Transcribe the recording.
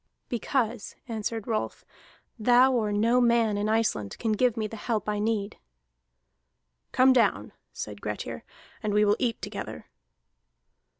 "Because," answered Rolf, "thou, or no man in Iceland, canst give me the help I need." "Come down," said Grettir, "and we will eat together."